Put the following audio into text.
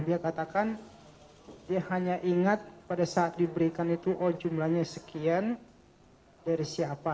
dia katakan dia hanya ingat pada saat diberikan itu oh jumlahnya sekian dari siapa